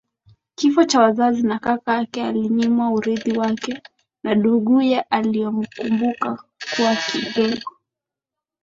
kifo cha wazazi na kaka yake alinyimwa urithi wake na nduguye waliomkumbuka kama kigego